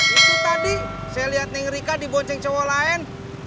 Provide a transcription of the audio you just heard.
itu tadi saya liat neng rika dibonceng cowok lain